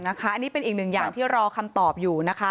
อันนี้เป็นอีกหนึ่งอย่างที่รอคำตอบอยู่นะคะ